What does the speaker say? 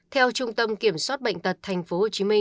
theo trung tâm kiểm soát bệnh tật tp hcm